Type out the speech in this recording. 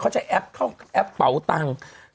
ใช้แอปเข้าแอปเป๋าตังค์